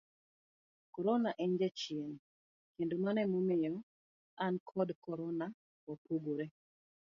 corona en Jachien, kendo mano emomiyo an kod corona wapogore